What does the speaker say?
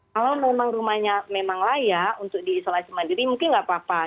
kalau memang rumahnya memang layak untuk diisolasi mandiri mungkin nggak apa apa